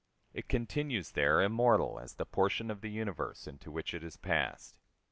It continues there immortal as the portion of the universe into which it has passed.